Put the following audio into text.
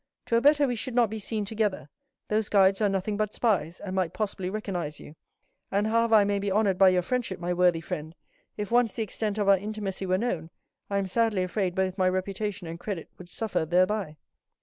"'Twere better we should not be seen together; those guides are nothing but spies, and might possibly recognize you; and, however I may be honored by your friendship, my worthy friend, if once the extent of our intimacy were known, I am sadly afraid both my reputation and credit would suffer thereby."